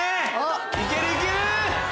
いけるいける！